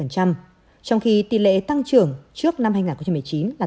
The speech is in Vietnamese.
trong khi tỷ lệ tăng trưởng trước năm hai nghìn một mươi chín là